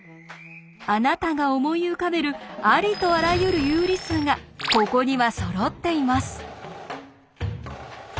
あなたが思い浮かべるありとあらゆる有理数がここにはそろっています。